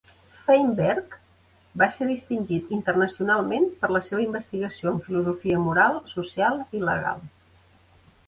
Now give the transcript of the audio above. Feinberg va ser distingit internacionalment per la seva investigació en filosofia moral, social i legal.